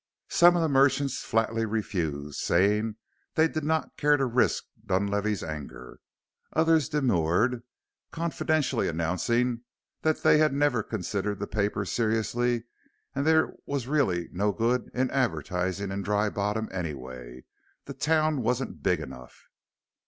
Some of the merchants flatly refused, saying they did not care to risk Dunlavey's anger. Others demurred, confidentially announcing that they had never considered the paper seriously and that there was really no good in advertising in Dry Bottom anyway the town wasn't big enough.